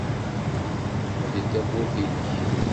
Mdel tawwurt-nnek.